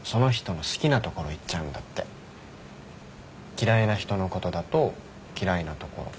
嫌いな人のことだと嫌いなところ。